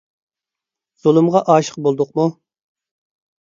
زۇلۇمغا ئاشىق بولدۇقمۇ؟